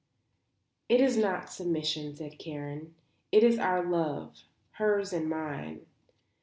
"It is not submission," said Karen. "It is our love, hers and mine.